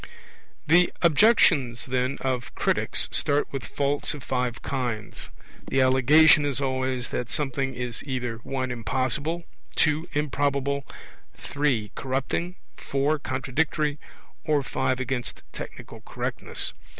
The objections, then, of critics start with faults of five kinds: the allegation is always that something in either (1) impossible, (2) improbable, (3) corrupting, (4) contradictory, or (5) against technical correctness.